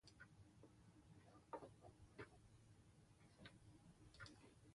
All classes are held at the Kodiak campus.